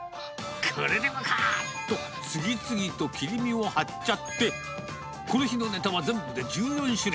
これでもかと次々と切り身を張っちゃって、この日のねたは全部で１４種類。